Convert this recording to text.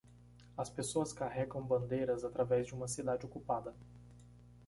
As pessoas carregam bandeiras através de uma cidade ocupada